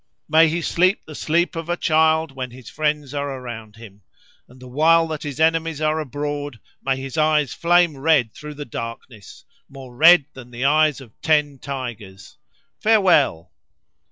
May he sleep the sleep of a child, when his friends are around him; and the while that his enemies are abroad, may his eyes flame red through the darkness—more red than the eyes of ten tigers! Farewell!